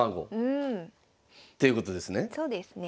そうですね。